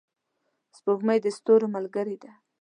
سپوږمۍ د ستورو ملګرې ده.